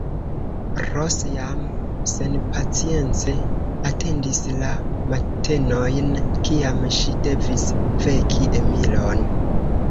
Ros jam senpacience atendis la matenojn, kiam ŝi devis veki Emilon.